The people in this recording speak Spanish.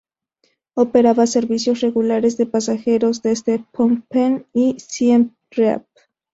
Operaba servicios regulares de pasajeros desde Phnom Penh y Siem Reap.